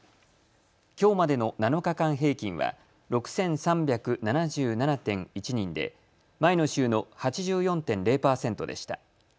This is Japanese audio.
きょうまでの７日間平均は６３７７．１人で前の週の８４．０％でした。